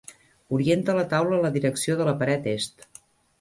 Orienta la taula en la direcció de la paret est.